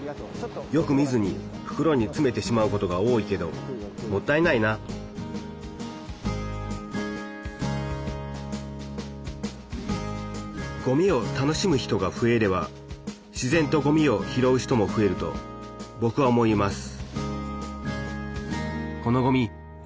よく見ずにふくろにつめてしまうことが多いけどもったいないなごみを楽しむ人が増えれば自然とごみを拾う人も増えるとぼくは思います。